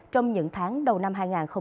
trong những tháng đầu năm hai nghìn hai mươi